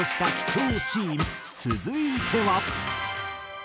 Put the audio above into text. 続いては。